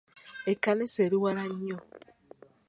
Ekkanisa eri wala nnyo.